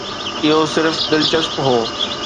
اهو صرف دلچسپ هو